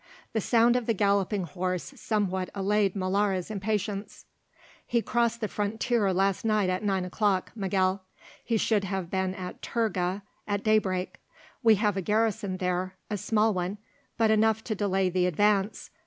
The sound of the galloping horse somewhat allayed Molara's impatience. "He crossed the frontier last night at nine o'clock, Miguel; he should have been at Turga at daybreak. We have a garrison there, a small one, but enough to delay the advance.